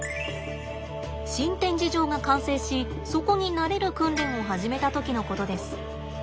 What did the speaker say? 新展示場が完成しそこに慣れる訓練を始めた時のことです。